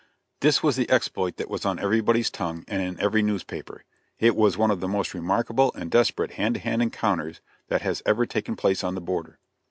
This was the exploit that was on everybody's tongue and in every newspaper. It was one of the most remarkable and desperate hand to hand encounters that has ever taken place on the border.